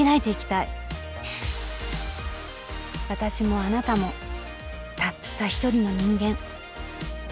私もあなたもたった一人の人間。